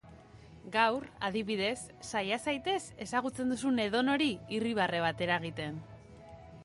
Gaur, adibidez, saia zaitez ezagutzen duzun edonori irribarre bat eragiten.